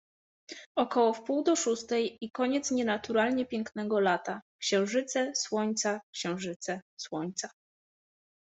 Około wpół do szóstej i koniec nienaturalnie pięknego lata: księżyce, słońca, księżyce, słońca.